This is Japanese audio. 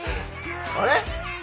あれ？